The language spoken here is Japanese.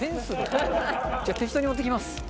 じゃあ、適当に持ってきます。